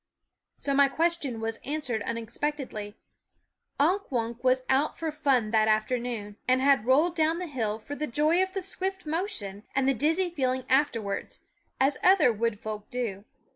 So my question was answered unexpect edly. Unk Wunk was out for fun that afternoon, and had rolled down the hill for the joy of the swift motion and the dizzy feeling afterwards, as other wood folk do.